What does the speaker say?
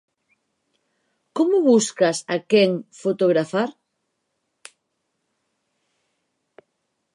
Como buscas a quen fotografar?